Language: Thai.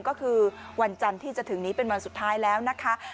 ก็คือวันจันทร์ที่จะถึงนี้เป็นวันสุดท้ายแล้วนะคะ